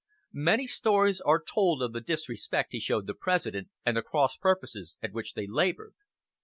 Many stories are told of the disrespect he showed the President, and the cross purposes at which they labored.